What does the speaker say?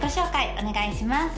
お願いします